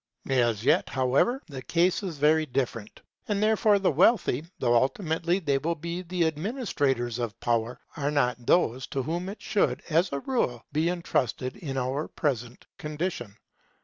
As yet, however, the case is very different; and therefore the wealthy, though ultimately they will be the administrators of power, are not those to whom it should as a rule be entrusted in our present condition.